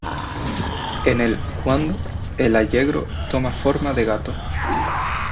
En el "cuándo", el allegro toma forma de "gato".